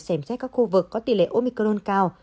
xem xét các khu vực có tỷ lệ omicron cao